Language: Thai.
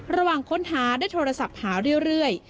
ระหว่างค้นหาได้โทรศัพท์หาเรื่อย